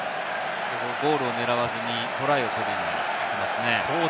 ゴールを狙わずに、トライを取りに行きますね。